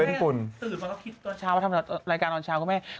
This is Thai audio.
ตอนแรกตื่นมาแล้วก็คิดตอนเช้าว่าทำรายการนอนเช้าก็ไม่เห็น